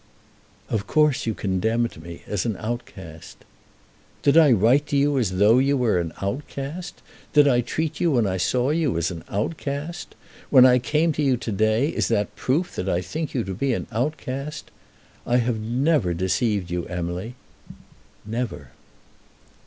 "Of course you condemned me, as an outcast." "Did I write to you as though you were an outcast? Did I treat you when I saw you as an outcast? When I come to you to day, is that proof that I think you to be an outcast? I have never deceived you, Emily." "Never."